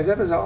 rất là rõ